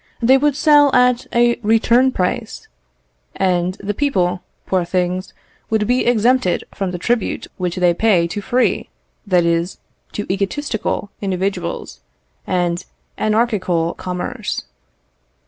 They would sell at a return price, and the people, poor things, would be exempted from the tribute which they pay to free, that is, to egotistical, individual, and anarchical commerce."